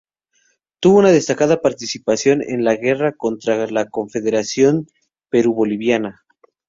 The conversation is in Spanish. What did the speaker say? Tuvo una destacada participación en la guerra contra la Confederación Perú-Boliviana.